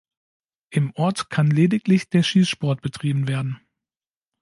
Im Ort kann lediglich der Schießsport betrieben werden.